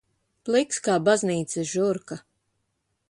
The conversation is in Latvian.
Pliks kā baznīcas žurka.